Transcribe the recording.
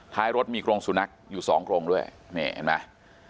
ท้ายรถมีกรงสุนัขอยู่สองกรงด้วยนี่เห็นไหม